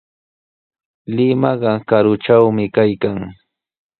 Limaqa karutrawmi kaykan.